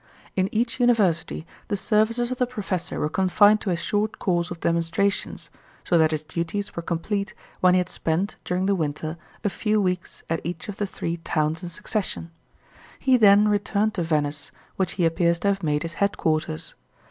In each university the services of the professor were confined to a short course of demonstrations, so that his duties were complete when he had spent, during the winter, a few weeks at each of the three towns in succession. He then returned to Venice, which he appears to have made his head quarters.